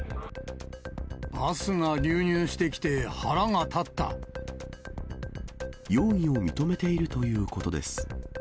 バスが流入してきて腹が立っ容疑を認めているということです。